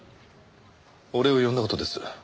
俺を呼んだ事です。